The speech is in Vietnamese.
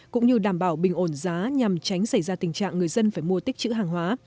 cũng như đảm bảo bình ổn giá nhằm tránh xảy ra tình trạng người dân phải mua tích chữ hàng hóa